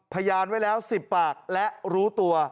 พยานไว้แล้ว๑๐ปากและรู้ตัว